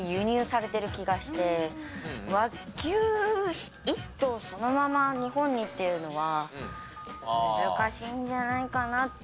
和牛１頭そのまま日本にっていうのは難しいんじゃないかな？って思ったんですけど。